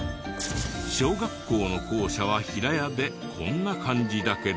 小学校の校舎は平屋でこんな感じだけど。